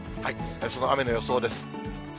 その雨の予想です。